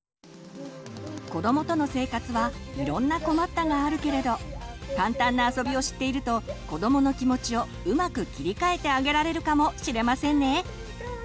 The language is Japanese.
子どもとの生活はいろんな困ったがあるけれど簡単なあそびを知っていると子どもの気持ちをうまく切り替えてあげられるかもしれませんね！